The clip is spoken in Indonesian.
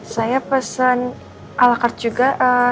saya pesen ala kartu juga